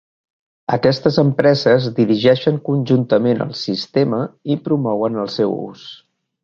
Aquestes empreses dirigeixen conjuntament el sistema i promouen el seu ús.